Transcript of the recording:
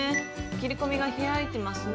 切り込みが開いてますね。